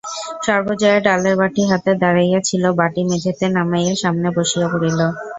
সর্বজয়া ডালের বাটি হাতে দাঁড়াইয়া ছিল, বাটি মেঝেতে নামাইয়া সামনে বসিয়া পড়িল।